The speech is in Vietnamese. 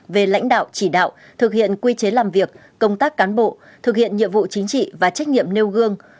về lãnh đạo chỉ đạo thực hiện quy chế làm việc công tác cán bộ thực hiện nhiệm vụ chính trị và trách nhiệm nêu gương